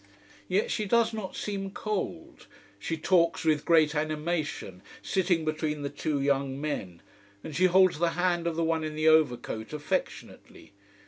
Yet she does not seem cold. She talks with great animation, sitting between the two young men. And she holds the hand of the one in the overcoat affectionately.